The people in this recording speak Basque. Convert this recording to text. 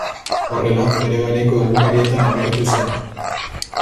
Horrela, bere garaiko egunkarietan agertu zen.